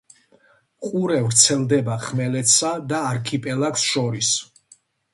ყურე ვრცელდება ხმელეთსა და არქიპელაგს შორის.